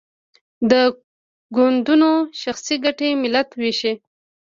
د ګوندونو شخصي ګټې ملت ویشي.